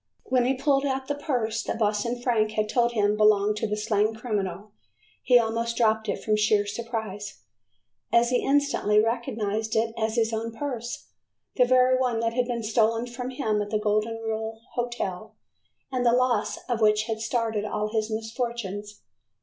When he pulled out the purse that Boston Frank had told him belonged to the slain criminal, he almost dropped it from sheer surprise, as he instantly recognized it as his own purse, the very one that had been stolen from him at the Golden Rule Hotel, and the loss of which had started all of his misfortunes.